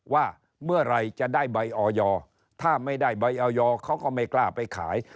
ว่าเมื่อไหร่จะได้ใบออยถ้าไม่ได้ใบออยเขาก็ไม่กล้าไปขาย